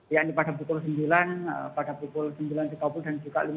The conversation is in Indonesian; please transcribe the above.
yaitu pada pukul sembilan pada pukul sembilan tiga puluh dan juga lima belas empat puluh lima